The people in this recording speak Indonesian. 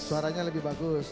suaranya lebih bagus